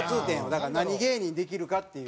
だから何芸人できるかっていう。